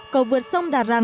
cầu vượt sông đà răng